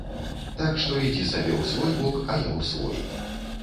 Так што ідзі сабе ў свой бок, а я ў свой.